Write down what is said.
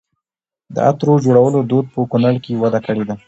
د عطرو جوړولو دود په کونړ کې وده کړې ده.